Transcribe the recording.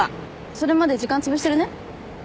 それまで時間つぶしてるね。